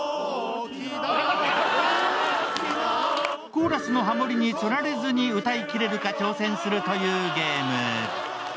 コーラスのハモりにつられずに歌いきれるか挑戦するというゲーム。